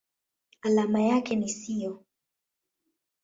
Alama yake ni SiO.